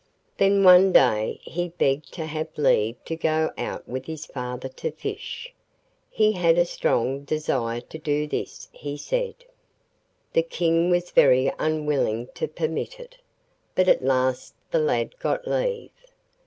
Then one day he begged to have leave to go out with his father to fish; he had a strong desire to do this, he said. The King was very unwilling to permit it, but at last the lad got leave.